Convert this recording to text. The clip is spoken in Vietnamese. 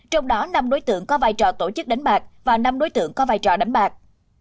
trong đó năm đối tượng có vai trò tổ chức đánh bạc và năm đối tượng có vai trò đánh bạc